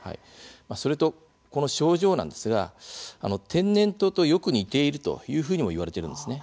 それと、症状なんですが天然痘とよく似ているというふうにもいわれているんですね。